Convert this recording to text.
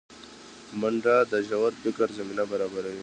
منډه د ژور فکر زمینه برابروي